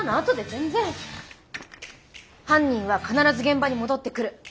犯人は必ず現場に戻ってくる。